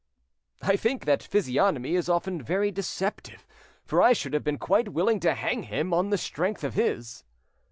"I think that physiognomy is often very deceptive, for I should have been quite willing to hang him on the strength of his."